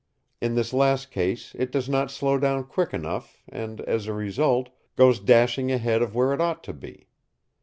In this last case it does not slow down quick enough, and, as a result, goes dashing ahead of where it ought to be.